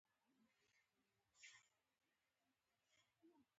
لکه پۍ مخې محبوبې راشي